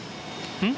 うん？